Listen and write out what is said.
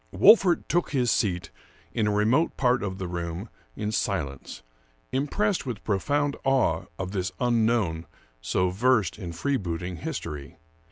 Wolfert took his seat in a remote part of the room in silence, impressed with profound awe of this unknown, so versed in freebooting history.